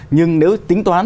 nhưng nếu tính toán